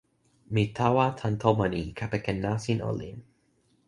mi tawa tan tomo ni kepeken nasin olin.